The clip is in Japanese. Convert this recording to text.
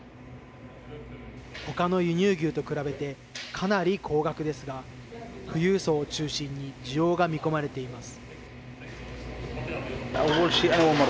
他の輸入牛と比べてかなり高額ですが富裕層を中心に需要が見込まれています。